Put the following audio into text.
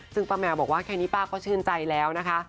ซึ่งป้าแมวบอกว่าแค่นี้ป้าก็ชื่นใจแล้วนะคะ